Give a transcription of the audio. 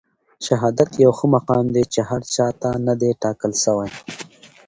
شهادت يو ښه مقام دی چي هر چاته نه دی ټاکل سوی.